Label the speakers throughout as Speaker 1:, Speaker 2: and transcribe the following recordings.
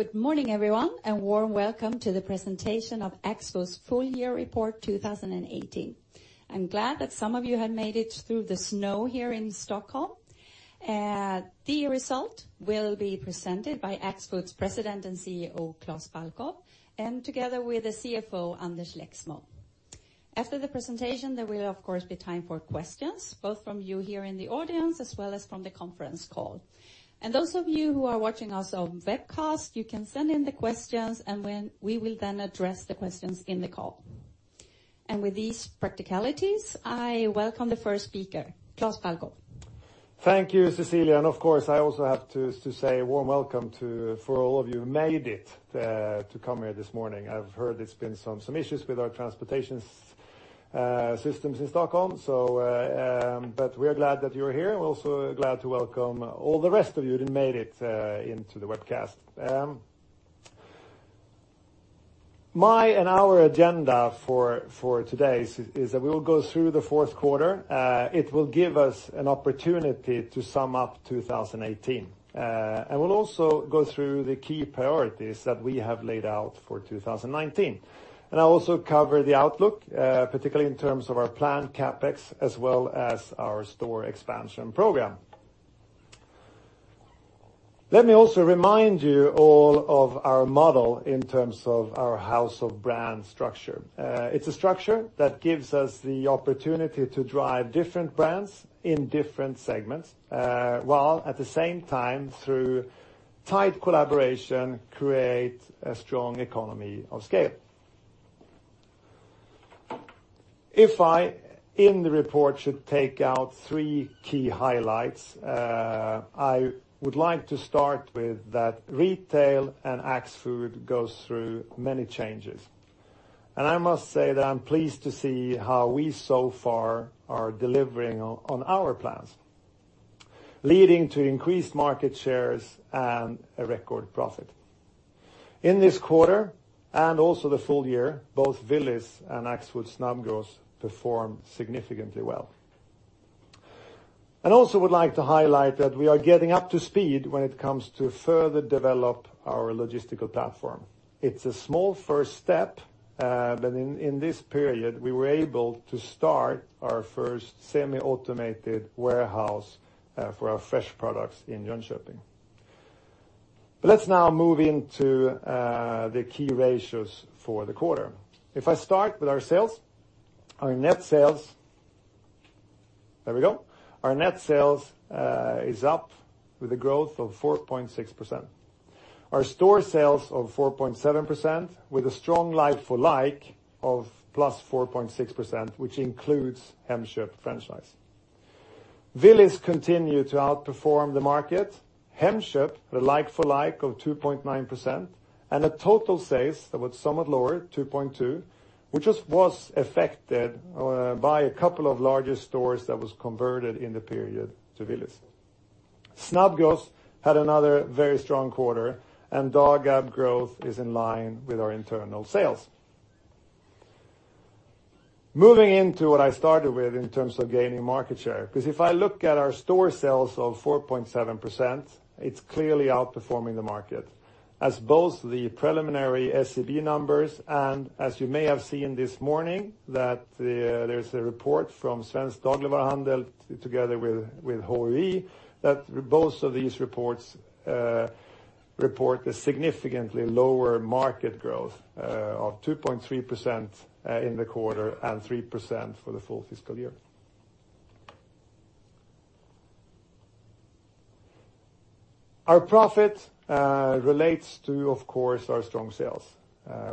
Speaker 1: Good morning everyone. Warm welcome to the presentation of Axfood's full year report 2018. I'm glad that some of you have made it through the snow here in Stockholm. The result will be presented by Axfood's President and CEO, Klas Balkow, and together with the CFO, Anders Lexmon. After the presentation, there will of course, be time for questions, both from you here in the audience as well as from the conference call. Those of you who are watching us on webcast, you can send in the questions and we will then address the questions in the call. With these practicalities, I welcome the first speaker, Klas Balkow.
Speaker 2: Thank you, Cecilia. Of course, I also have to say a warm welcome for all of you who made it to come here this morning. I've heard there's been some issues with our transportation systems in Stockholm. We are glad that you are here, and we're also glad to welcome all the rest of you who made it into the webcast. My and our agenda for today is that we will go through the fourth quarter. It will give us an opportunity to sum up 2018. We'll also go through the key priorities that we have laid out for 2019. I'll also cover the outlook, particularly in terms of our planned CapEx, as well as our store expansion program. Let me also remind you all of our model in terms of our house of brands structure. It's a structure that gives us the opportunity to drive different brands in different segments, while at the same time, through tight collaboration, create a strong economy of scale. If I, in the report, should take out 3 key highlights, I would like to start with that retail and Axfood goes through many changes. I must say that I'm pleased to see how we so far are delivering on our plans, leading to increased market shares and a record profit. In this quarter and also the full year, both Willys and Axfood Snabbgross performed significantly well. I also would like to highlight that we are getting up to speed when it comes to further develop our logistical platform. It's a small first step, but in this period, we were able to start our first semi-automated warehouse for our fresh products in Jönköping. Let's now move into the key ratios for the quarter. If I start with our sales, our net sales is up with a growth of 4.6%. Our store sales of 4.7% with a strong like-for-like of +4.6%, which includes Hemköp franchise. Willys continued to outperform the market. Hemköp had a like-for-like of 2.9%. The total sales that was somewhat lower, 2.2%, which was affected by a couple of larger stores that was converted in the period to Willys. Snabbgross had another very strong quarter. Dagab growth is in line with our internal sales. Moving into what I started with in terms of gaining market share, because if I look at our store sales of 4.7%, it's clearly outperforming the market, as both the preliminary SCB numbers and as you may have seen this morning that there's a report from Svensk Dagligvaruhandel together with HUI Research, that both of these reports report a significantly lower market growth of 2.3% in the quarter and 3% for the full fiscal year. Our profit relates to, of course, our strong sales.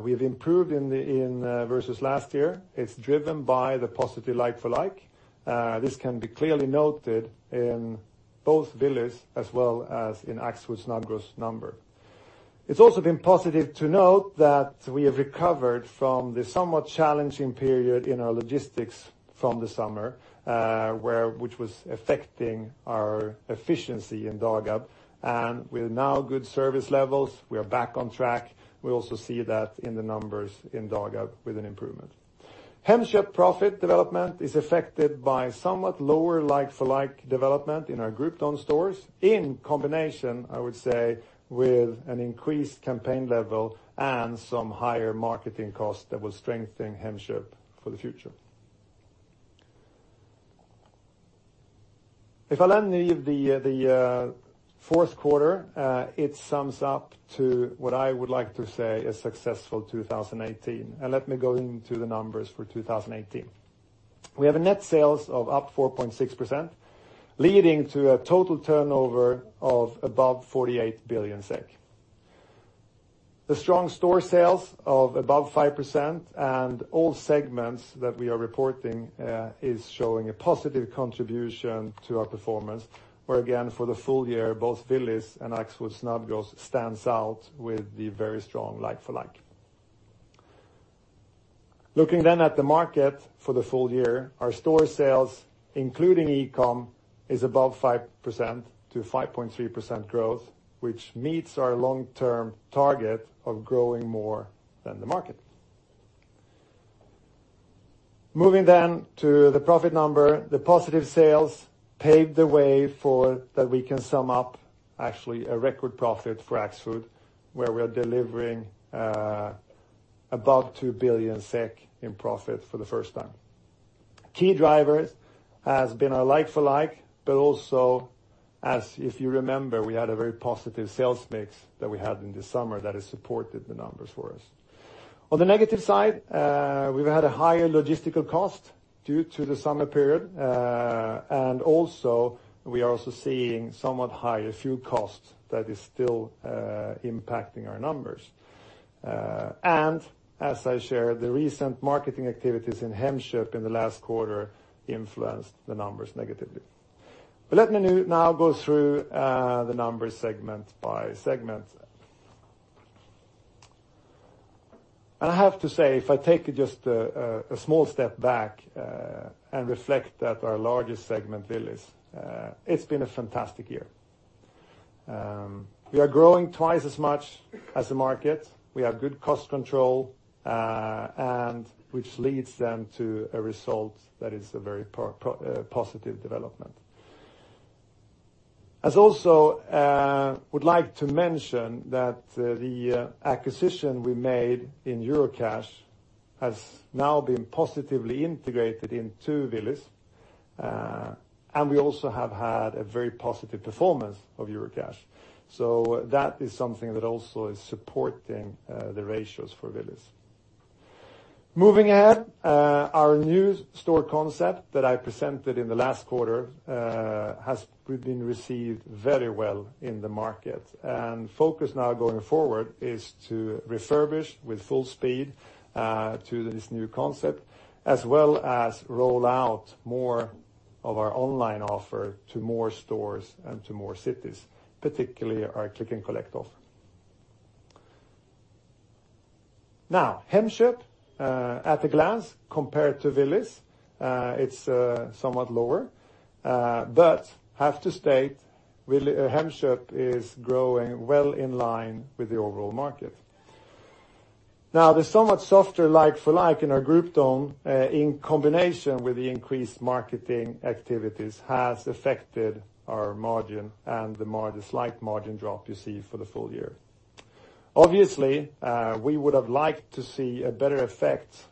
Speaker 2: We've improved versus last year. It's driven by the positive like-for-like. This can be clearly noted in both Willys as well as in Axfood Snabbgross number. It's also been positive to note that we have recovered from the somewhat challenging period in our logistics from the summer, which was affecting our efficiency in Dagab, and with now good service levels, we are back on track. We also see that in the numbers in Dagab with an improvement. Hemköp profit development is affected by somewhat lower like-for-like development in our group-owned stores in combination, I would say, with an increased campaign level and some higher marketing costs that will strengthen Hemköp for the future. If I leave the fourth quarter, it sums up to what I would like to say a successful 2018. Let me go into the numbers for 2018. We have a net sales of up 4.6%, leading to a total turnover of above 48 billion SEK. The strong store sales of above 5% and all segments that we are reporting is showing a positive contribution to our performance, where again, for the full year, both Willys and Axfood Snabbgross stands out with the very strong like-for-like. Looking then at the market for the full year, our store sales, including e-com, is above 5% to 5.3% growth, which meets our long-term target of growing more than the market. To the profit number, the positive sales paved the way for that we can sum up actually a record profit for Axfood, where we are delivering above 2 billion SEK in profit for the first time. Key drivers has been our like-for-like, but also as if you remember, we had a very positive sales mix that we had in the summer that has supported the numbers for us. On the negative side, we've had a higher logistical cost due to the summer period, and we are also seeing somewhat higher fuel costs that is still impacting our numbers. As I shared, the recent marketing activities in Hemköp in the last quarter influenced the numbers negatively. Let me now go through the numbers segment by segment. I have to say, if I take just a small step back and reflect that our largest segment, Willys, it's been a fantastic year. We are growing twice as much as the market. We have good cost control, which leads then to a result that is a very positive development. As also would like to mention that the acquisition we made in Eurocash has now been positively integrated into Willys. We also have had a very positive performance of Eurocash. That is something that also is supporting the ratios for Willys. Moving ahead, our new store concept that I presented in the last quarter has been received very well in the market. Focus now going forward is to refurbish with full speed to this new concept, as well as roll out more of our online offer to more stores and to more cities, particularly our click and collect offer. Hemköp, at a glance compared to Willys it's somewhat lower, but have to state Hemköp is growing well in line with the overall market. The somewhat softer like-for-like in our group, though, in combination with the increased marketing activities, has affected our margin and the slight margin drop you see for the full year. Obviously, we would have liked to see a better effect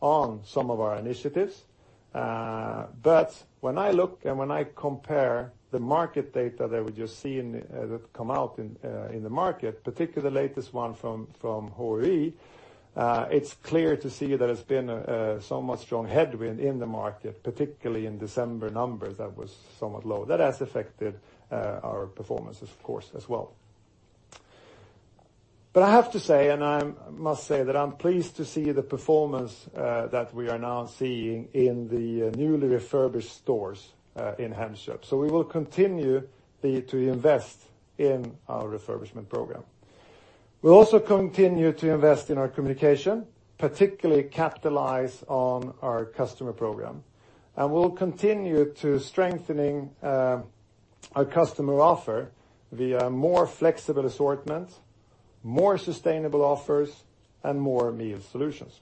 Speaker 2: on some of our initiatives. When I look and when I compare the market data that we just see that come out in the market, particularly the latest one from HUI, it's clear to see that it's been a somewhat strong headwind in the market, particularly in December numbers that was somewhat low. That has affected our performance, of course, as well. I have to say, and I must say that I'm pleased to see the performance that we are now seeing in the newly refurbished stores in Hemköp. We will continue to invest in our refurbishment program. We'll also continue to invest in our communication, particularly capitalize on our customer program, and we'll continue to strengthening our customer offer via more flexible assortment, more sustainable offers, and more meal solutions.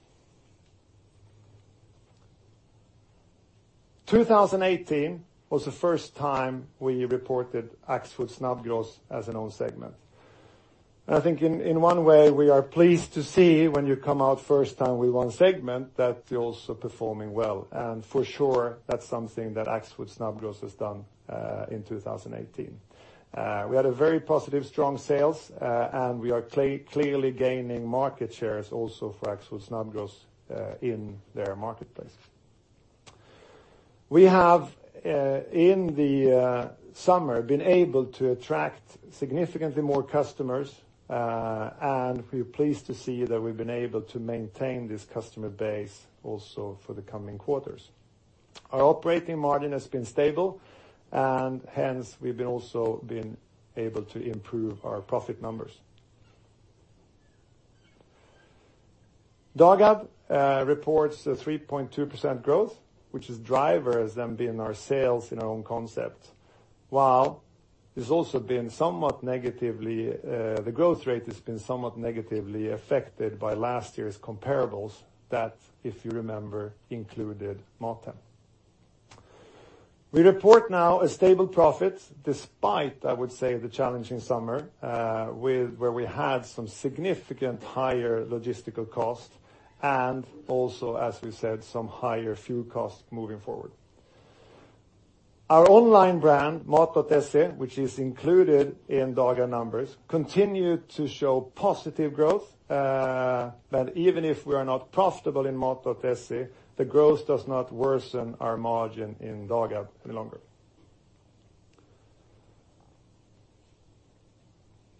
Speaker 2: 2018 was the first time we reported Axfood Snabbgross as an own segment. I think in one way, we are pleased to see when you come out first time with one segment that you're also performing well. For sure, that's something that Axfood Snabbgross has done in 2018. We had a very positive strong sales, and we are clearly gaining market shares also for Axfood Snabbgross in their marketplace. We have in the summer been able to attract significantly more customers, and we're pleased to see that we've been able to maintain this customer base also for the coming quarters. Our operating margin has been stable, and hence we've also been able to improve our profit numbers. Dagab reports a 3.2% growth, which is drivers then being our sales in our own concept. While the growth rate has been somewhat negatively affected by last year's comparables that, if you remember, included Mathem. We report now a stable profit despite, I would say, the challenging summer, where we had some significant higher logistical costs and also, as we said, some higher fuel costs moving forward. Our online brand, Mat.se, which is included in Dagab numbers, continued to show positive growth, but even if we are not profitable in Mat.se, the growth does not worsen our margin in Dagab any longer.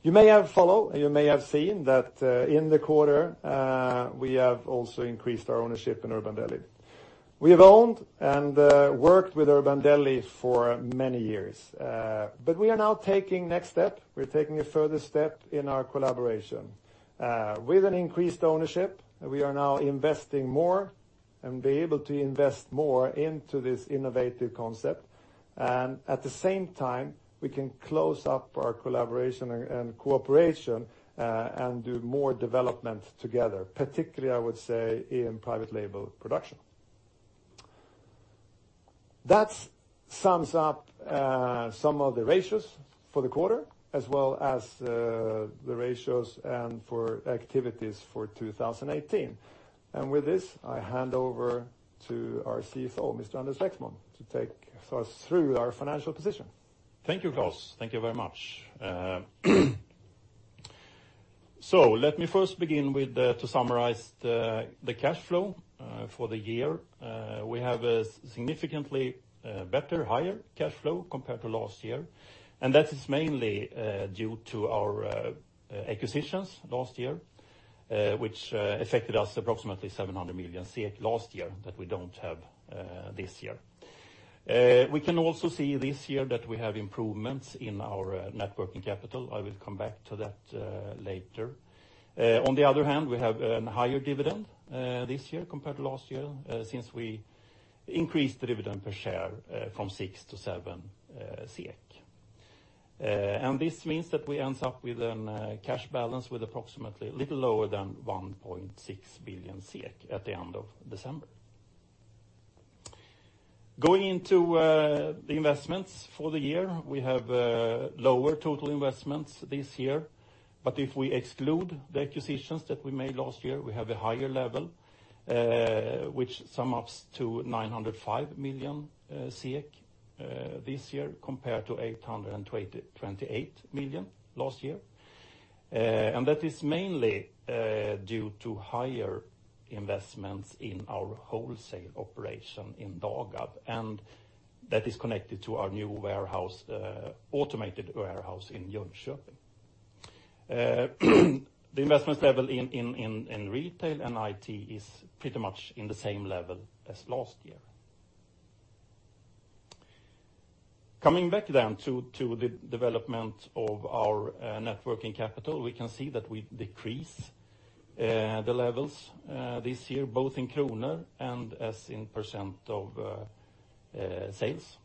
Speaker 2: You may have follow, and you may have seen that in the quarter, we have also increased our ownership in Urban Deli. We have owned and worked with Urban Deli for many years. We are now taking next step. We're taking a further step in our collaboration. With an increased ownership, we are now investing more and be able to invest more into this innovative concept. At the same time, we can close up our collaboration and cooperation and do more development together, particularly, I would say, in private label production. That sums up some of the ratios for the quarter as well as the ratios and for activities for 2018. With this, I hand over to our CFO, Mr. Anders Lexmon, to take us through our financial position.
Speaker 3: Thank you, Klas. Thank you very much. Let me first begin to summarize the cash flow for the year. We have a significantly better, higher cash flow compared to last year, and that is mainly due to our acquisitions last year, which affected us approximately 700 million SEK last year that we don't have this year. We can also see this year that we have improvements in our net working capital. I will come back to that later. On the other hand, we have a higher dividend this year compared to last year, since we increased the dividend per share from 6 to 7 SEK. This means that we end up with a cash balance with approximately a little lower than 1.6 billion SEK at the end of December. Going into the investments for the year, we have lower total investments this year, but if we exclude the acquisitions that we made last year, we have a higher level, which sums up to 905 million this year compared to 828 million last year. That is mainly due to higher investments in our wholesale operation in Dagab, and that is connected to our new automated warehouse in Jönköping. The investment level in retail and IT is pretty much in the same level as last year. Coming back then to the development of our net working capital, we can see that we decrease the levels this year, both in kronor and as in percent of sales.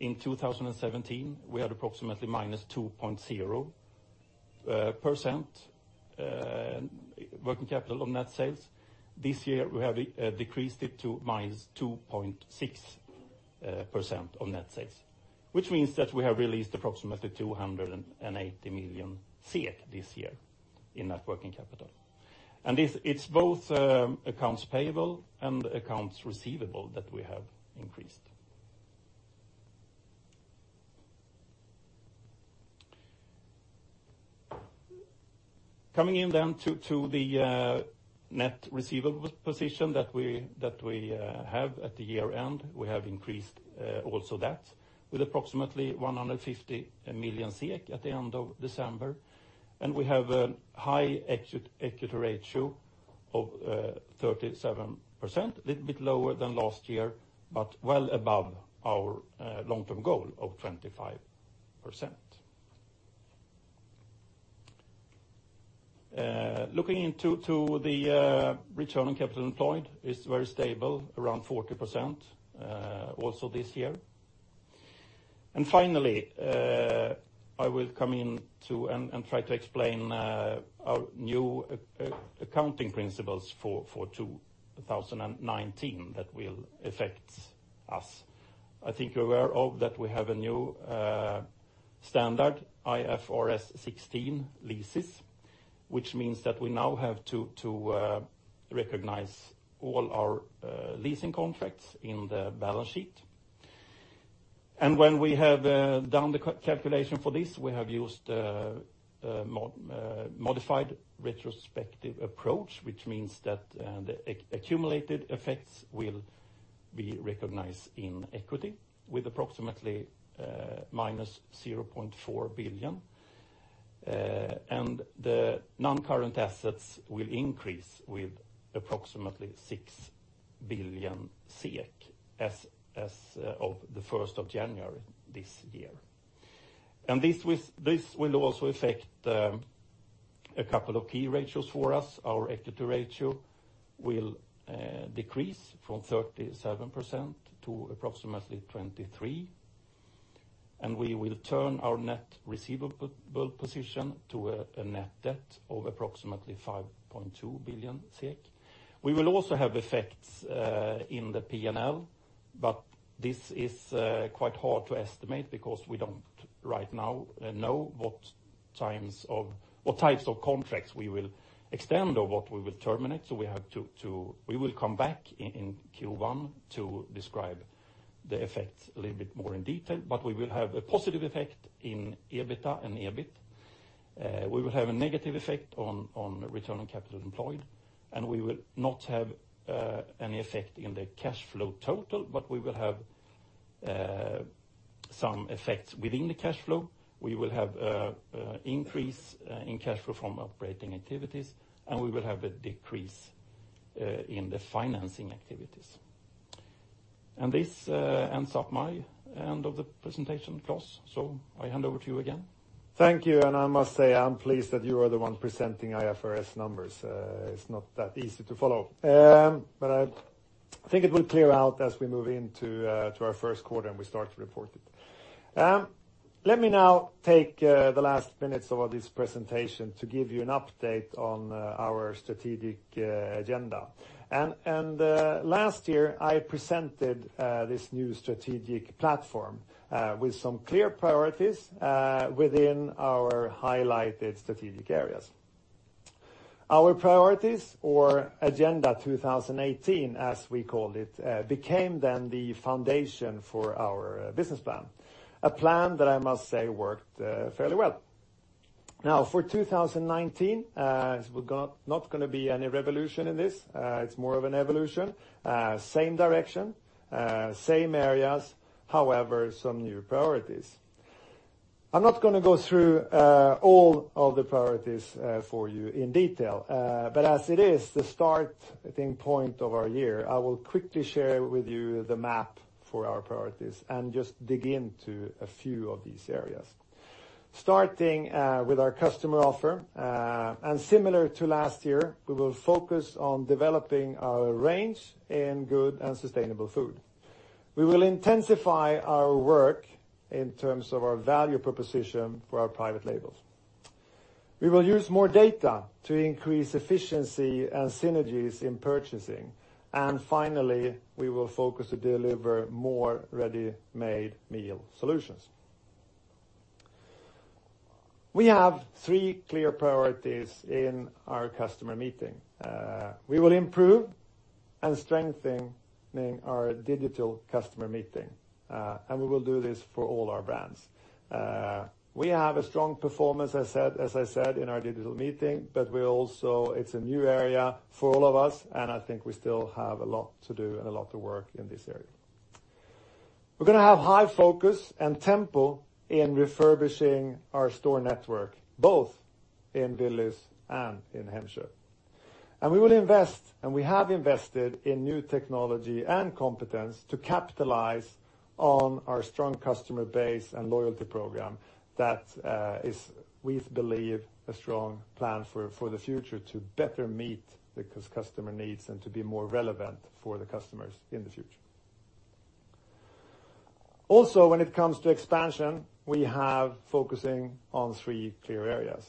Speaker 3: In 2017, we had approximately -2.0% working capital on net sales. This year we have decreased it to -2.6% on net sales, which means that we have released approximately 280 million this year in net working capital. It's both accounts payable and accounts receivable that we have increased. Coming in then to the net receivable position that we have at the year-end, we have increased also that with approximately 150 million SEK at the end of December, and we have a high equity ratio of 37%, little bit lower than last year, but well above our long-term goal of 25%. Looking into the return on capital employed, is very stable, around 40% also this year. Finally, I will come in to try to explain our new accounting principles for 2019 that will affect us. I think you're aware of that we have a new standard, IFRS 16 leases, which means that we now have to recognize all our leasing contracts in the balance sheet. When we have done the calculation for this, we have used a modified retrospective approach, which means that the accumulated effects will be recognized in equity with approximately minus 0.4 billion, and the non-current assets will increase with approximately 6 billion SEK as of the 1st of January this year. This will also affect a couple of key ratios for us. Our equity ratio will decrease from 37% to approximately 23%, and we will turn our net receivable position to a net debt of approximately 5.2 billion SEK. We will also have effects in the P&L, but this is quite hard to estimate because we don't right now know what types of contracts we will extend or what we will terminate. We will come back in Q1 to describe the effects a little bit more in detail. We will have a positive effect in EBITDA and EBIT. We will have a negative effect on return on capital employed, and we will not have any effect in the cash flow total, but we will have some effects within the cash flow. We will have increase in cash flow from operating activities, and we will have a decrease in the financing activities. This ends up my end of the presentation, Klas. I hand over to you again.
Speaker 2: Thank you, and I must say I'm pleased that you are the one presenting IFRS numbers. It's not that easy to follow. I think it will clear out as we move into our first quarter, and we start to report it. Let me now take the last minutes of this presentation to give you an update on our strategic agenda. Last year, I presented this new strategic platform with some clear priorities within our highlighted strategic areas. Our priorities or Agenda 2018, as we called it, became then the foundation for our business plan, a plan that I must say worked fairly well. For 2019, there's not going to be any revolution in this. It's more of an evolution, same direction, same areas, however, some new priorities. I'm not going to go through all of the priorities for you in detail, but as it is the starting point of our year, I will quickly share with you the map for our priorities and just dig into a few of these areas. Starting with our customer offer, similar to last year, we will focus on developing our range in good and sustainable food. We will intensify our work in terms of our value proposition for our private labels. We will use more data to increase efficiency and synergies in purchasing. Finally, we will focus to deliver more ready-made meal solutions. We have three clear priorities in our customer meeting. We will improve and strengthen our digital customer meeting, and we will do this for all our brands. We have a strong performance, as I said, in our digital meeting, it's a new area for all of us, and I think we still have a lot to do and a lot to work in this area. We're going to have high focus and tempo in refurbishing our store network, both in Willys and in Hemköp. We will invest, and we have invested in new technology and competence to capitalize on our strong customer base and loyalty program that is, we believe, a strong plan for the future to better meet the customer needs and to be more relevant for the customers in the future. When it comes to expansion, we have focusing on three clear areas.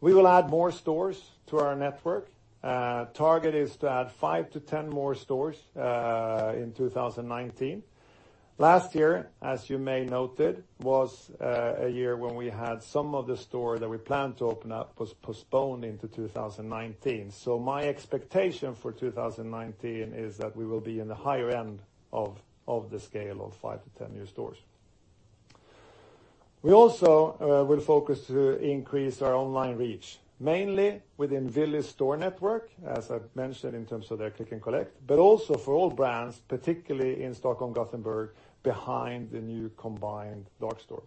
Speaker 2: We will add more stores to our network. Target is to add five to 10 more stores in 2019. Last year, as you may noted, was a year when we had some of the stores that we planned to open up was postponed into 2019. My expectation for 2019 is that we will be in the higher end of the scale of five to 10 new stores. We also will focus to increase our online reach, mainly within Willys store network, as I've mentioned in terms of their click and collect, but also for all brands, particularly in Stockholm, Gothenburg, behind the new combined dark store.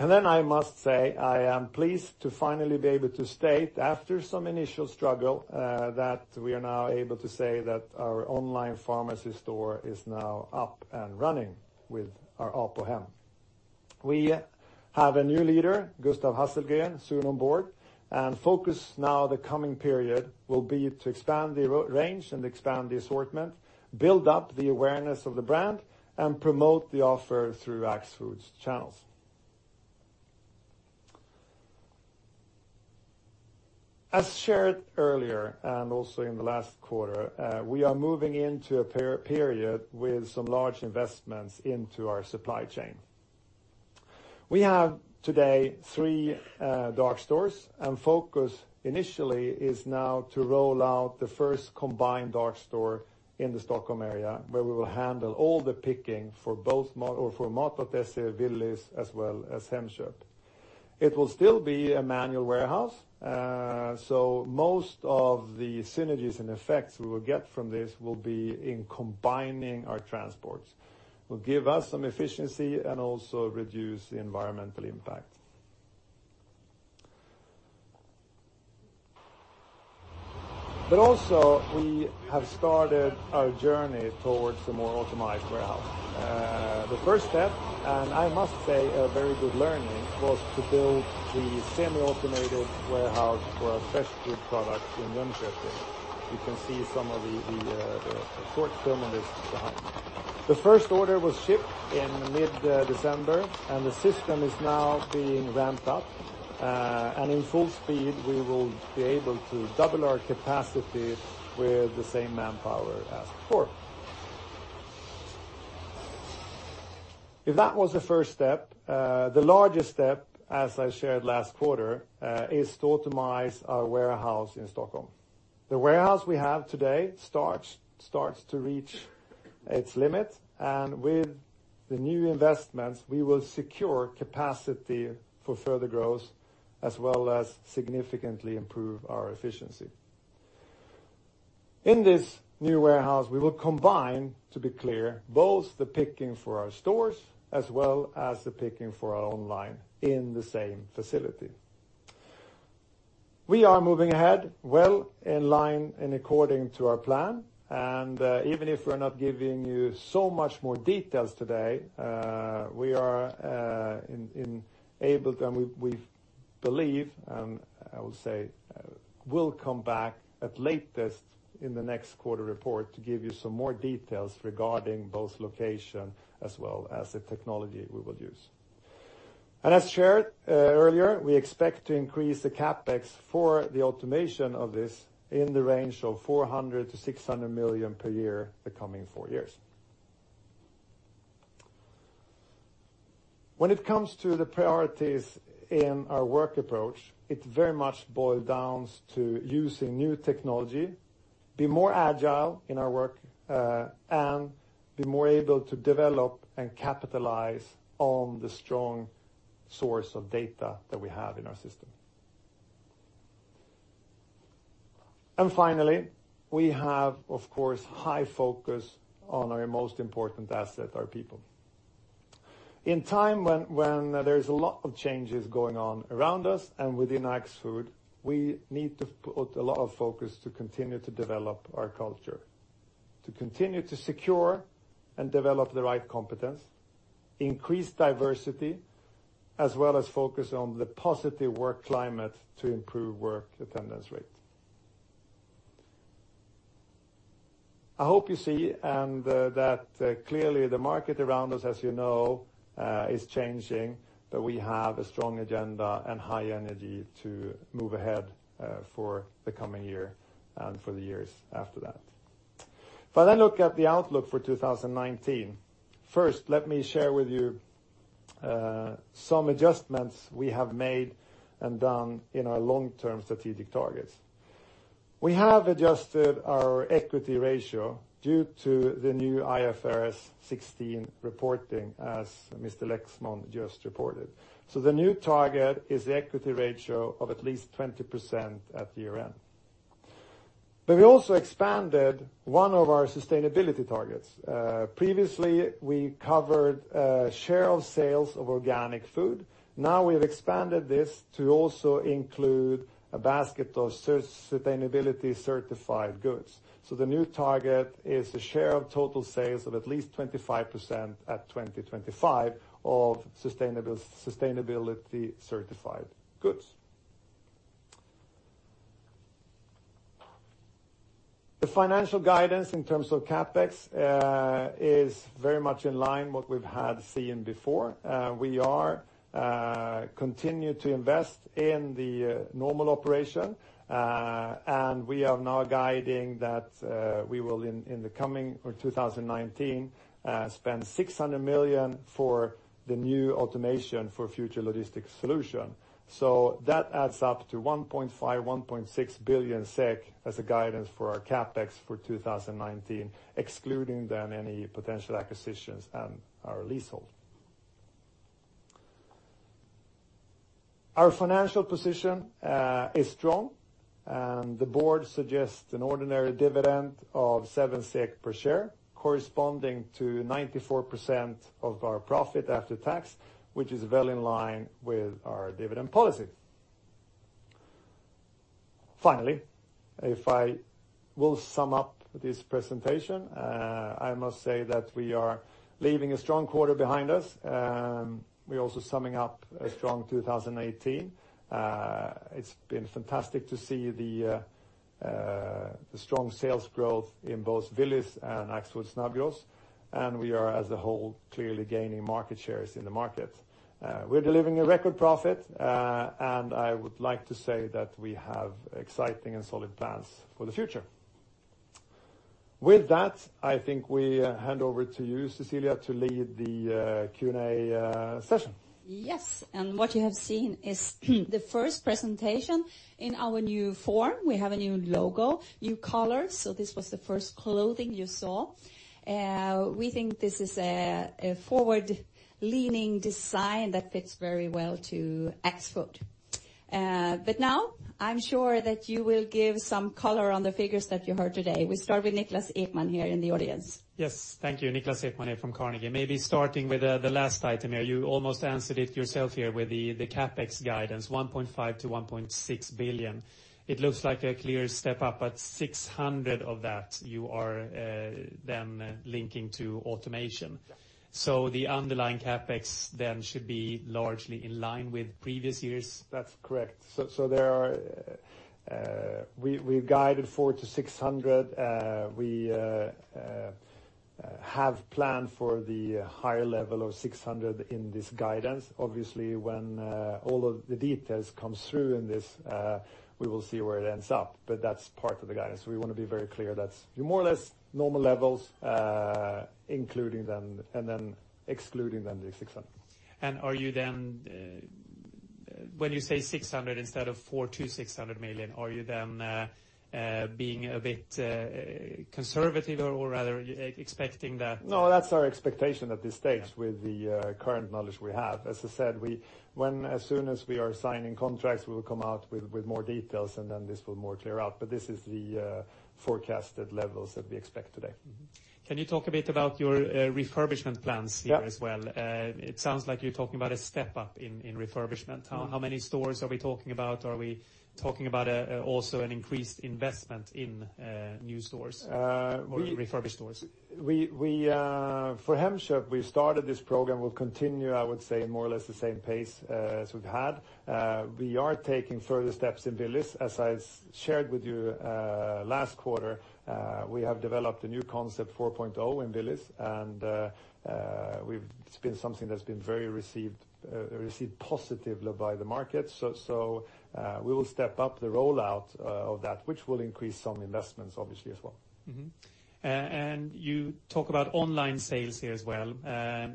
Speaker 2: I must say, I am pleased to finally be able to state, after some initial struggle, that we are now able to say that our online pharmacy store is now up and running with our Apohem. We have a new leader, Gustav Hagéus, soon on board and focus now the coming period will be to expand the range and expand the assortment, build up the awareness of the brand, and promote the offer through Axfood's channels. As shared earlier and also in the last quarter, we are moving into a period with some large investments into our supply chain. We have today three dark stores, and focus initially is now to roll out the first combined dark store in the Stockholm area, where we will handle all the picking for both Mataffärer, Willys, as well as Hemköp. It will still be a manual warehouse, so most of the synergies and effects we will get from this will be in combining our transports. Will give us some efficiency and also reduce the environmental impact. We have started our journey towards a more automized warehouse. The first step, I must say a very good learning, was to build the semi-automated warehouse for our fresh food products in Jönköping. You can see some of the short film on this behind. The first order was shipped in mid-December, the system is now being ramped up. In full speed, we will be able to double our capacity with the same manpower as before. If that was the first step, the largest step, as I shared last quarter, is to automize our warehouse in Stockholm. The warehouse we have today starts to reach its limit, and with the new investments, we will secure capacity for further growth as well as significantly improve our efficiency. In this new warehouse, we will combine, to be clear, both the picking for our stores as well as the picking for our online in the same facility. We are moving ahead well in line according to our plan. Even if we're not giving you so much more details today, we are enabled and we believe, and I will say, we'll come back at latest in the next quarter report to give you some more details regarding both location as well as the technology we will use. As shared earlier, we expect to increase the CapEx for the automation of this in the range of 400 million-600 million per year, the coming 4 years. When it comes to the priorities in our work approach, it very much boils down to using new technology, be more agile in our work, and be more able to develop and capitalize on the strong source of data that we have in our system. Finally, we have, of course, high focus on our most important asset, our people. In a time when there's a lot of changes going on around us and within Axfood, we need to put a lot of focus to continue to develop our culture, to continue to secure and develop the right competence, increase diversity, as well as focus on the positive work climate to improve work attendance rate. I hope you see, and that clearly the market around us, as you know, is changing, but we have a strong agenda and high energy to move ahead for the coming year and for the years after that. If I then look at the outlook for 2019, first, let me share with you some adjustments we have made and done in our long-term strategic targets. We have adjusted our equity ratio due to the new IFRS 16 reporting, as Mr. Lexmon just reported. The new target is the equity ratio of at least 20% at the year-end. We also expanded one of our sustainability targets. Previously, we covered share of sales of organic food. Now we've expanded this to also include a basket of sustainability certified goods. The new target is a share of total sales of at least 25% at 2025 of sustainability certified goods. The financial guidance in terms of CapEx is very much in line what we've seen before. We are continuing to invest in the normal operation, we are now guiding that we will in the coming or 2019, spend 600 million for the new automation for future logistic solution. That adds up to 1.5 billion-1.6 billion SEK as a guidance for our CapEx for 2019, excluding then any potential acquisitions and our leasehold. Our financial position is strong. The board suggests an ordinary dividend of 7 SEK per share, corresponding to 94% of our profit after tax, which is well in line with our dividend policy. Finally, if I sum up this presentation, I must say that we are leaving a strong quarter behind us. We're also summing up a strong 2018. It's been fantastic to see the strong sales growth in both Willys and Axfood Snabbgross, we are as a whole, clearly gaining market shares in the market. We're delivering a record profit, I would like to say that we have exciting and solid plans for the future. With that, I think we hand over to you, Cecilia, to lead the Q&A session.
Speaker 1: Yes. What you have seen is the first presentation in our new form. We have a new logo, new colors, so this was the first clothing you saw. We think this is a forward-leaning design that fits very well to Axfood. Now I'm sure that you will give some color on the figures that you heard today. We start with Niklas Ekman here in the audience.
Speaker 4: Yes. Thank you. Niklas Ekman here from Carnegie. Maybe starting with the last item there. You almost answered it yourself here with the CapEx guidance, 1.5 billion-1.6 billion. It looks like a clear step up, at 600 million of that you are then linking to automation.
Speaker 2: Yeah.
Speaker 4: The underlying CapEx then should be largely in line with previous years?
Speaker 2: That's correct. We've guided 400 million-600 million. We have planned for the higher level of 600 million in this guidance. Obviously, when all of the details come through in this, we will see where it ends up, that's part of the guidance. We want to be very clear that's more or less normal levels including them, then excluding then the 600 million.
Speaker 4: Are you then-When you say 600 million instead of 400 million-600 million, are you then being a bit conservative or rather expecting that?
Speaker 2: No, that's our expectation at this stage with the current knowledge we have. As I said, as soon as we are signing contracts, we will come out with more details and then this will more clear up. This is the forecasted levels that we expect today.
Speaker 4: Can you talk a bit about your refurbishment plans here as well?
Speaker 2: Yeah.
Speaker 4: It sounds like you're talking about a step up in refurbishment. How many stores are we talking about? Are we talking about also an increased investment in new stores or refurbished stores?
Speaker 2: For Hemköp, we started this program. We'll continue, I would say, more or less the same pace as we've had. We are taking further steps in Willys. As I shared with you last quarter, we have developed a new concept 4.0 in Willys, it's been something that's been very well received positively by the market. We will step up the rollout of that, which will increase some investments obviously as well.
Speaker 4: You talk about online sales here as well.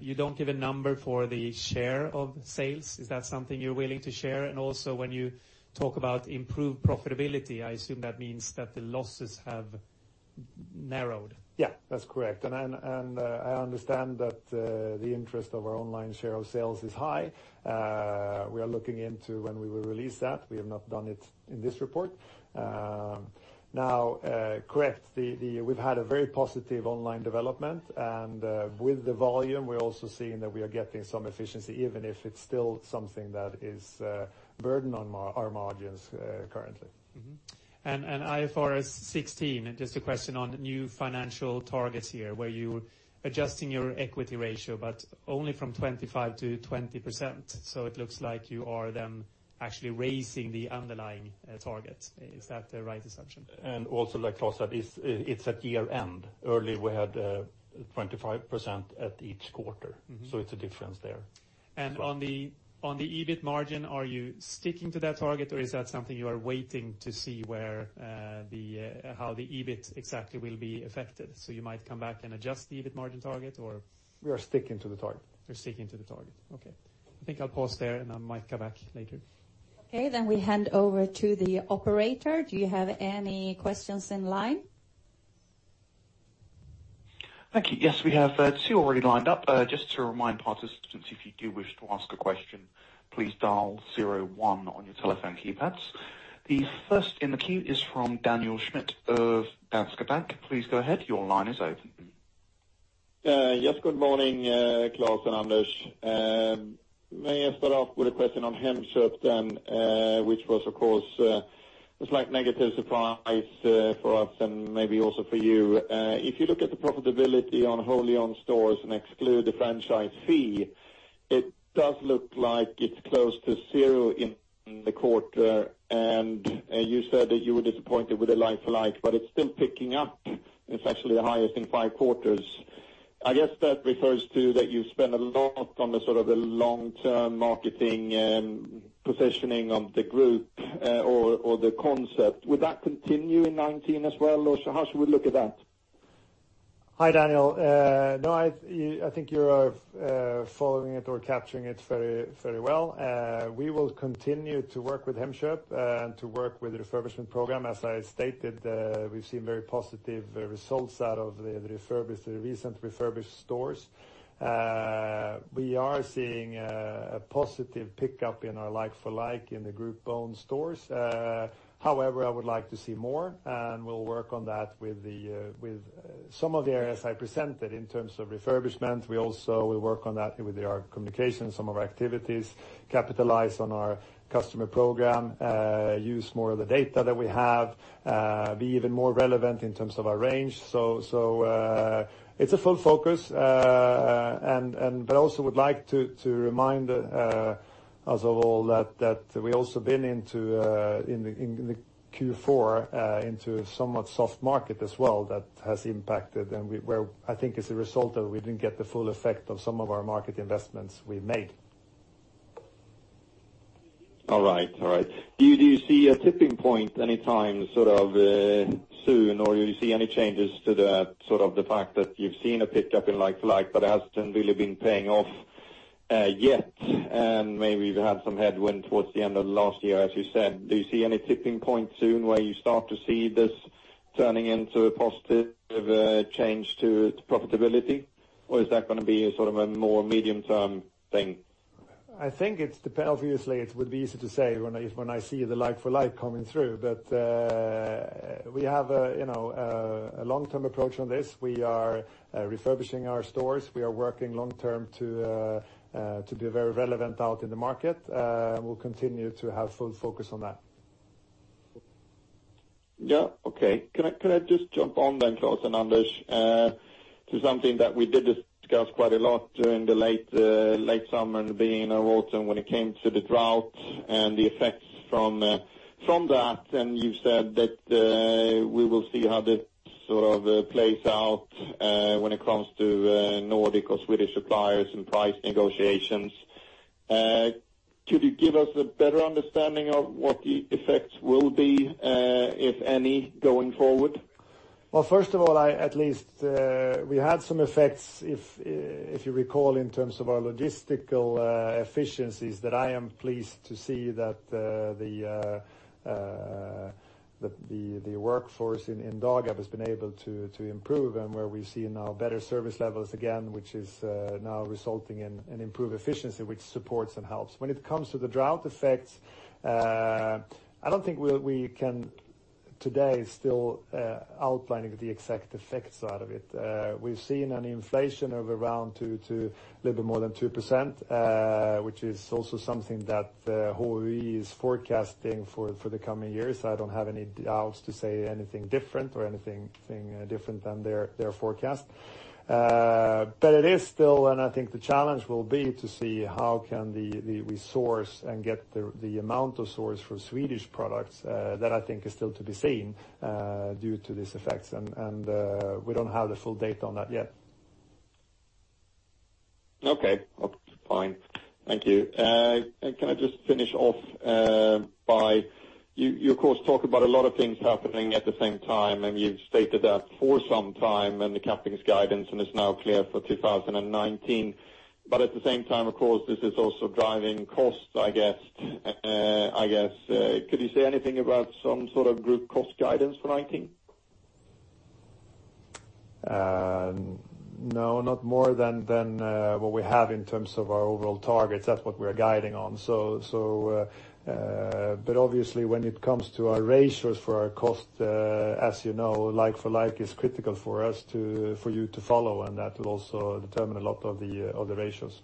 Speaker 4: You don't give a number for the share of sales. Is that something you're willing to share? Also when you talk about improved profitability, I assume that means that the losses have narrowed.
Speaker 2: Yeah, that's correct. I understand that the interest of our online share of sales is high. We are looking into when we will release that. We have not done it in this report. Now, correct. We've had a very positive online development, with the volume, we're also seeing that we are getting some efficiency, even if it's still something that is a burden on our margins currently.
Speaker 4: IFRS 16, just a question on the new financial targets here, where you're adjusting your equity ratio, only from 25% to 20%. It looks like you are then actually raising the underlying target. Is that the right assumption?
Speaker 3: Also like Klas said, it's at year-end. Earlier we had 25% at each quarter. It's a difference there.
Speaker 4: On the EBIT margin, are you sticking to that target or is that something you are waiting to see how the EBIT exactly will be affected? You might come back and adjust the EBIT margin target or?
Speaker 2: We are sticking to the target.
Speaker 4: You're sticking to the target. Okay. I think I'll pause there and I might come back later.
Speaker 1: Okay, we hand over to the operator. Do you have any questions in line?
Speaker 5: Thank you. Yes, we have two already lined up. Just to remind participants, if you do wish to ask a question, please dial zero one on your telephone keypads. The first in the queue is from Daniel Schmidt of Danske Bank. Please go ahead. Your line is open.
Speaker 6: Yes, good morning, Klas and Anders. May I start off with a question on Hemköp, which was, of course, a slight negative surprise for us and maybe also for you. If you look at the profitability on wholly owned stores and exclude the franchise fee, it does look like it's close to zero in the quarter, and you said that you were disappointed with the like-for-like, but it's still picking up. It's actually the highest in five quarters. I guess that refers to that you spend a lot on the long-term marketing positioning of the group or the concept. Would that continue in 2019 as well, or how should we look at that?
Speaker 2: Hi, Daniel. No, I think you are following it or capturing it very well. We will continue to work with Hemköp and to work with the refurbishment program. As I stated, we've seen very positive results out of the recent refurbished stores. We are seeing a positive pickup in our like-for-like in the group-owned stores. However, I would like to see more, and we'll work on that with some of the areas I presented in terms of refurbishment. We also will work on that with our communication, some of our activities, capitalize on our customer program, use more of the data that we have, be even more relevant in terms of our range. It's a full focus, but also would like to remind us of all that we also been in the Q4 into somewhat soft market as well, that has impacted and where I think as a result of we didn't get the full effect of some of our market investments we made.
Speaker 6: All right. Do you see a tipping point anytime soon, or you see any changes to the fact that you've seen a pickup in like-for-like but hasn't really been paying off yet, and maybe you've had some headwind towards the end of last year, as you said. Do you see any tipping point soon where you start to see this turning into a positive change to profitability? Or is that going to be a more medium-term thing?
Speaker 2: I think obviously it would be easy to say when I see the like-for-like coming through, but we have a long-term approach on this. We are refurbishing our stores. We are working long term to be very relevant out in the market. We'll continue to have full focus on that.
Speaker 6: Yeah. Okay. Can I just jump on then, Klas and Anders, to something that we did discuss quite a lot during the late summer and beginning of autumn when it came to the drought and the effects from that, and you said that we will see how this plays out when it comes to Nordic or Swedish suppliers and price negotiations. Could you give us a better understanding of what the effects will be if any, going forward?
Speaker 2: Well, first of all, we had some effects, if you recall, in terms of our logistical efficiencies that I am pleased to see that the workforce in Dagab has been able to improve and where we see now better service levels again, which is now resulting in improved efficiency, which supports and helps. When it comes to the drought effects, I don't think we can today still outline the exact effects out of it. We've seen an inflation of around two, a little more than 2%, which is also something that HUI is forecasting for the coming years. I don't have any doubts to say anything different or anything different than their forecast. It is still, and I think the challenge will be to see how can we source and get the amount of source for Swedish products, that I think is still to be seen, due to these effects. We don't have the full data on that yet.
Speaker 6: Okay, fine. Thank you. Can I just finish off by, you, of course, talk about a lot of things happening at the same time, and you've stated that for some time, and the CapEx guidance, and it's now clear for 2019. At the same time, of course, this is also driving costs, I guess. Could you say anything about some sort of group cost guidance for 2019?
Speaker 2: No, not more than what we have in terms of our overall targets. That's what we are guiding on. Obviously, when it comes to our ratios for our cost, as you know, like-for-like is critical for you to follow, and that will also determine a lot of the ratios.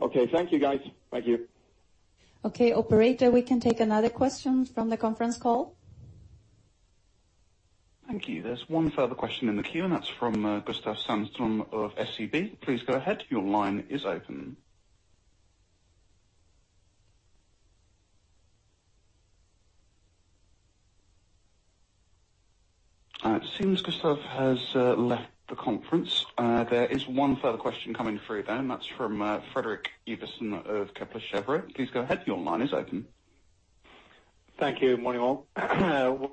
Speaker 6: Okay. Thank you, guys. Thank you.
Speaker 1: Okay, operator. We can take another question from the conference call.
Speaker 5: Thank you. There's one further question in the queue, that's from Gustav Sandström of SEB. Please go ahead. Your line is open. It seems Gustav has left the conference. There is one further question coming through, then, that's from Fredrik Ivarsson of Kepler Cheuvreux. Please go ahead. Your line is open.
Speaker 7: Thank you. Morning, all.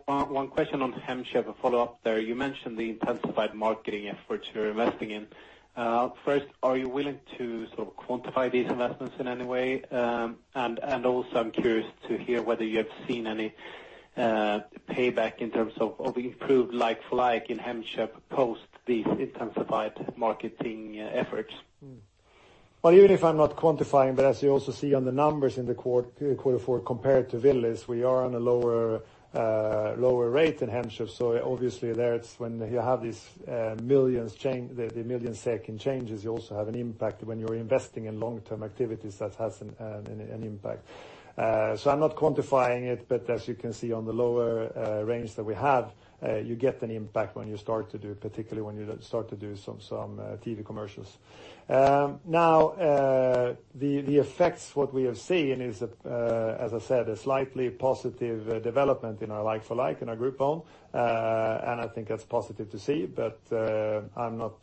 Speaker 7: One question on Hemköp, a follow-up there. You mentioned the intensified marketing efforts you're investing in. First, are you willing to quantify these investments in any way? Also, I'm curious to hear whether you have seen any payback in terms of improved like-for-like in Hemköp post these intensified marketing efforts.
Speaker 2: Well, even if I'm not quantifying, but as you also see on the numbers in the quarter four compared to Willys, we are on a lower rate in Hemköp. Obviously there it's when you have these millisecond changes, you also have an impact when you're investing in long-term activities that has an impact. I'm not quantifying it, but as you can see on the lower range that we have, you get an impact when you start to do, particularly when you start to do some TV commercials. Now, the effects, what we have seen is, as I said, a slightly positive development in our like-for-like in our group-owned, and I think that's positive to see. I'm not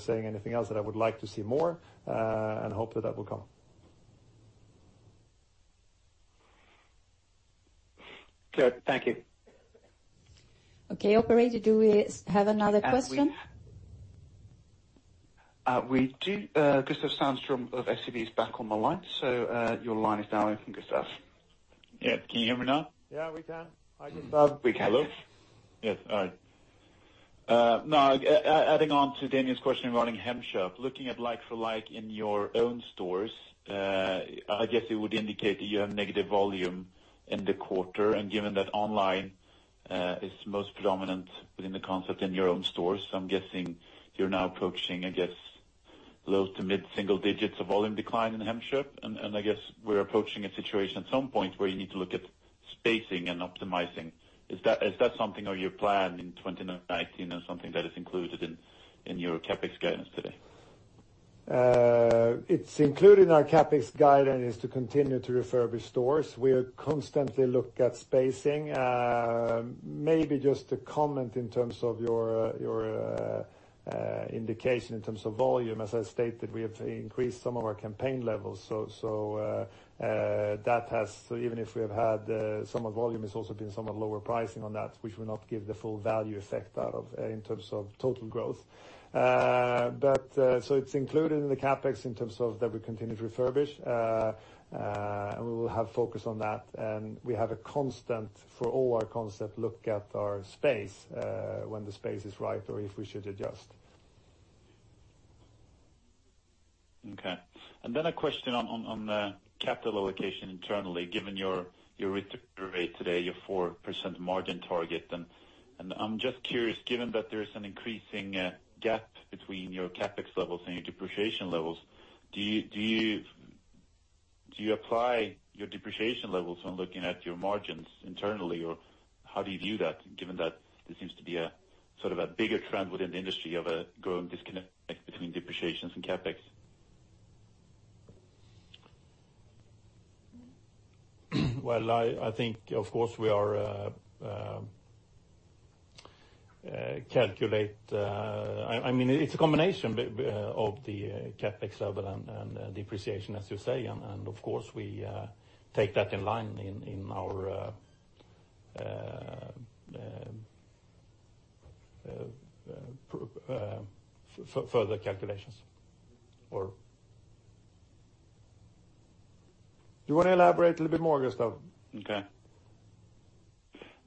Speaker 2: saying anything else that I would like to see more, and hope that that will come.
Speaker 7: Clear. Thank you.
Speaker 1: Okay, operator, do we have another question?
Speaker 5: We do. Gustav Sandström of SEB is back on the line. Your line is now open, Gustav.
Speaker 8: Yeah. Can you hear me now?
Speaker 2: Yeah, we can. Hi, Gustav.
Speaker 1: We can.
Speaker 2: Hello?
Speaker 8: Yes. All right. Adding on to Daniel's question regarding Hemköp, looking at like-for-like in your own stores, I guess it would indicate that you have negative volume in the quarter. Given that online is most predominant within the concept in your own stores, I'm guessing you're now approaching, I guess, low to mid single digits of volume decline in Hemköp. I guess we're approaching a situation at some point where you need to look at spacing and optimizing. Is that something on your plan in 2019 or something that is included in your CapEx guidance today?
Speaker 2: It's included in our CapEx guideline to continue to refurbish stores. We constantly look at spacing. Maybe just a comment in terms of your indication in terms of volume. As I stated, we have increased some of our campaign levels, so even if we have had some volume, it's also been somewhat lower pricing on that, which will not give the full value effect out of in terms of total growth. It's included in the CapEx in terms of that we continue to refurbish, and we will have focus on that. We have a constant for all our concept look at our space, when the space is right or if we should adjust.
Speaker 8: Okay. A question on the capital allocation internally, given your return rate today, your 4% margin target. I'm just curious, given that there's an increasing gap between your CapEx levels and your depreciation levels, do you apply your depreciation levels when looking at your margins internally? How do you view that, given that there seems to be a bigger trend within the industry of a growing disconnect between depreciations and CapEx?
Speaker 2: Well, I think, of course, we are
Speaker 3: Calculate. It's a combination of the CapEx level and depreciation, as you say. Of course, we take that in line in our further calculations. Or
Speaker 2: Do you want to elaborate a little bit more, Gustav?
Speaker 8: Okay.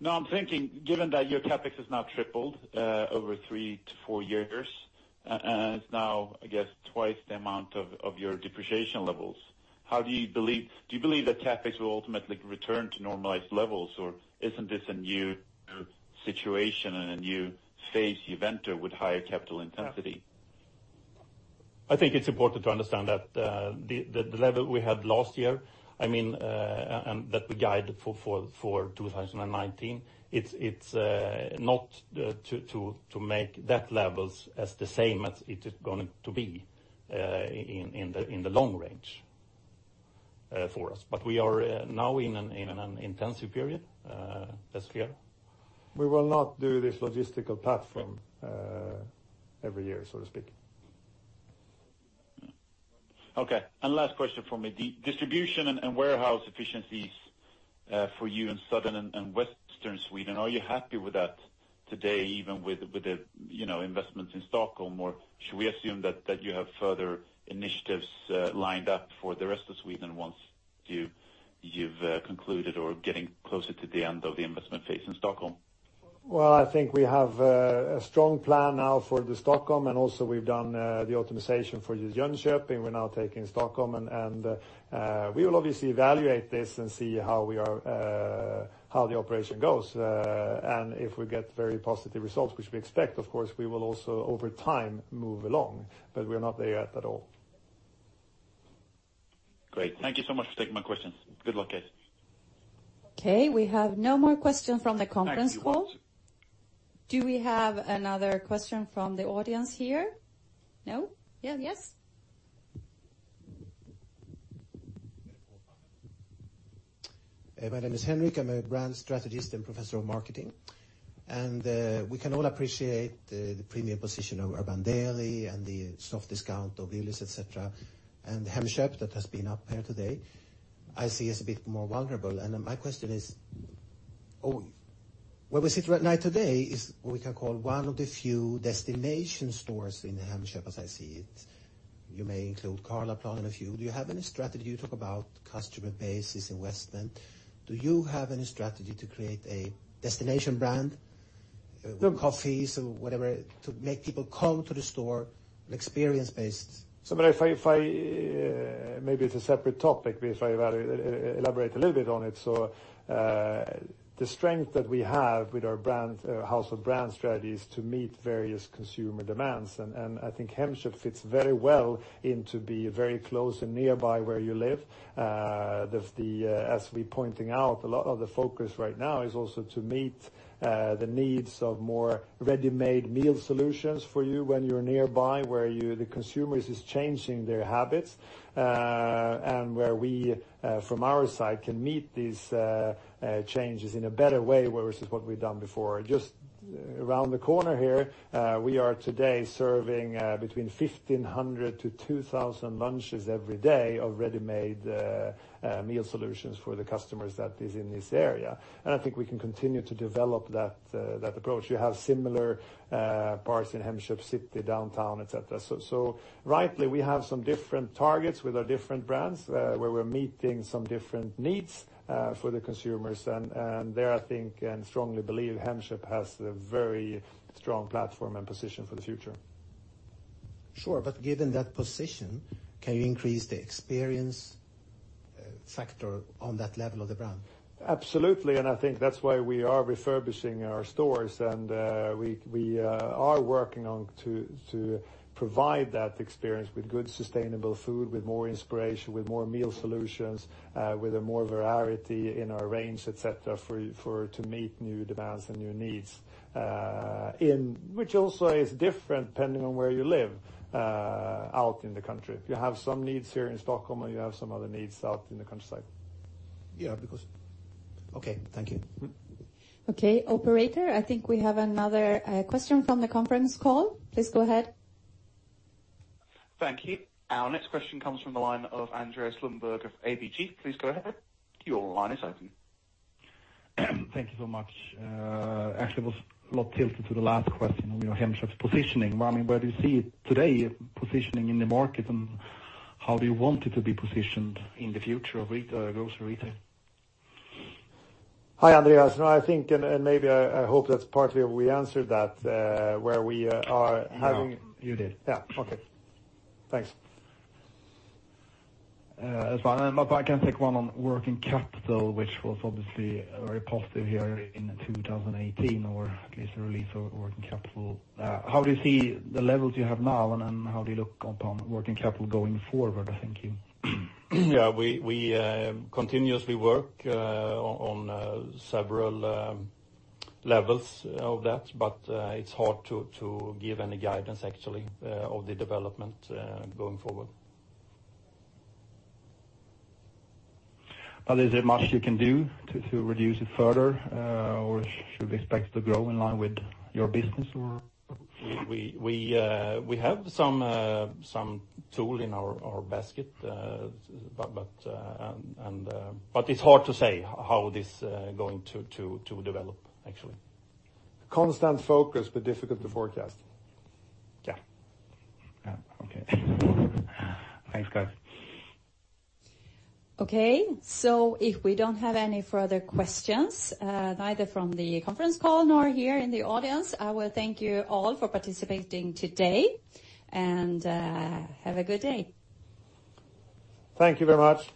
Speaker 8: Now I'm thinking, given that your CapEx has now tripled over three to four years, and it's now, I guess, twice the amount of your depreciation levels. Do you believe that CapEx will ultimately return to normalized levels, or isn't this a new situation and a new phase you've entered with higher capital intensity?
Speaker 3: I think it's important to understand that the level we had last year, and that we guide for 2019, it's not to make that level as the same as it is going to be in the long range for us. We are now in an intensive period. That's clear.
Speaker 2: We will not do this logistical platform every year, so to speak.
Speaker 8: Okay. Last question for me. The distribution and warehouse efficiencies for you in southern and western Sweden, are you happy with that today, even with the investments in Stockholm? Or should we assume that you have further initiatives lined up for the rest of Sweden once you've concluded or getting closer to the end of the investment phase in Stockholm?
Speaker 2: Well, I think we have a strong plan now for Stockholm, also we've done the optimization for Jönköping. We're now taking Stockholm, we will obviously evaluate this and see how the operation goes. If we get very positive results, which we expect, of course, we will also over time move along, but we are not there yet at all.
Speaker 8: Great. Thank you so much for taking my questions. Good luck guys.
Speaker 1: Okay, we have no more questions from the conference call.
Speaker 2: Thank you.
Speaker 1: Do we have another question from the audience here? No. Yes?
Speaker 9: My name is Henrik. I am a brand strategist and professor of marketing. We can all appreciate the premium position of Urban Deli and the soft discount of Willys, et cetera, and Hemköp that has been up here today, I see as a bit more vulnerable. My question is, where we sit right now today is we can call one of the few destination stores in Hemköp as I see it. You may include Karlaplan and a few. You talk about customer bases in Westland. Do you have any strategy to create a destination brand?
Speaker 2: No.
Speaker 9: Coffee, so whatever, to make people come to the store, experience-based.
Speaker 2: Maybe it's a separate topic, but if I elaborate a little bit on it. The strength that we have with our house of brand strategy is to meet various consumer demands. I think Hemköp fits very well into being very close and nearby where you live. As we're pointing out, a lot of the focus right now is also to meet the needs of more ready-made meal solutions for you when you're nearby, where the consumer is changing their habits, and where we from our side can meet these changes in a better way versus what we've done before. Just around the corner here, we are today serving between 1,500 to 2,000 lunches every day of ready-made meal solutions for the customers that is in this area. I think we can continue to develop that approach. We have similar parts in Hemköp City, downtown, et cetera. Rightly, we have some different targets with our different brands where we're meeting some different needs for the consumers. There, I think and strongly believe Hemköp has a very strong platform and position for the future.
Speaker 9: Sure. Given that position, can you increase the experience factor on that level of the brand?
Speaker 2: Absolutely, I think that's why we are refurbishing our stores, and we are working on to provide that experience with good sustainable food, with more inspiration, with more meal solutions, with more variety in our range, et cetera, to meet new demands and new needs, which also is different depending on where you live out in the country. You have some needs here in Stockholm, and you have some other needs out in the countryside.
Speaker 9: Yeah, Okay, thank you.
Speaker 1: Okay. Operator, I think we have another question from the conference call. Please go ahead.
Speaker 5: Thank you. Our next question comes from the line of Andreas Lundberg of ABG. Please go ahead. Your line is open.
Speaker 10: Thank you so much. Actually, it was a lot tilted to the last question on Hemköp's positioning. Where do you see it today positioning in the market, and how do you want it to be positioned in the future of grocery retail?
Speaker 2: Hi, Andreas. I think, and maybe I hope that partly we answered that.
Speaker 10: You did.
Speaker 2: Yeah. Okay. Thanks.
Speaker 10: If I can take one on working capital, which was obviously very positive here in 2018, or at least a relief of working capital. How do you see the levels you have now, and how do you look upon working capital going forward, thank you?
Speaker 3: Yeah, we continuously work on several levels of that, but it's hard to give any guidance, actually, of the development going forward.
Speaker 10: Is there much you can do to reduce it further? Should we expect it to grow in line with your business?
Speaker 3: We have some tool in our basket. It's hard to say how this is going to develop, actually.
Speaker 2: Constant focus, but difficult to forecast.
Speaker 3: Yeah.
Speaker 10: Okay. Thanks, guys.
Speaker 1: Okay, if we don't have any further questions, neither from the conference call nor here in the audience, I will thank you all for participating today, and have a good day.
Speaker 2: Thank you very much.